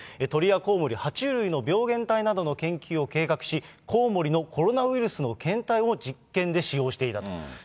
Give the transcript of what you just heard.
鳥やコウモリ、は虫類の病原体などの研究を計画し、コウモリのコロナウイルスの検体を実験で使用していたと。